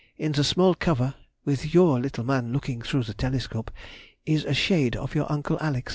In the small cover (with your little man looking through the telescope) is a shade of your Uncle Alex.